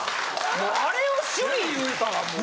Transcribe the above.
あれを趣味いうたらもう。